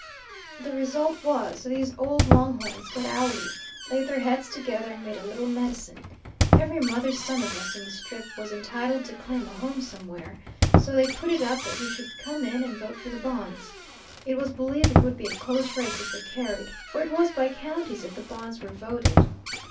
The result was, these old long horns got owly, laid their heads together, and made a little medicine. Every mother's son of us in the Strip was entitled to claim a home somewhere, so they put it up that we should come in and vote for the bonds. It was believed it would be a close race if they carried, for it was by counties that the bonds were voted.